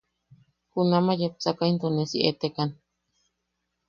Junamaʼa yepsaka into ne si etekan.